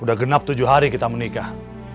udah genap tujuh hari kita menikah